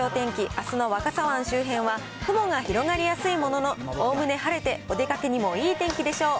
あすの若狭湾周辺は雲が広がりやすいものの、おおむね晴れて、お出かけにもいい天気でしょう。